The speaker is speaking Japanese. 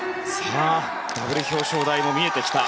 ダブル表彰台も見えてきた